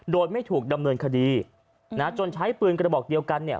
โดยไม่ถูกดำเนินคดีนะจนใช้ปืนกระบอกเดียวกันเนี่ย